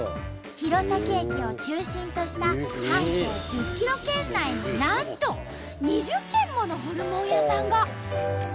弘前駅を中心とした半径１０ｋｍ圏内になんと２０軒ものホルモン屋さんが！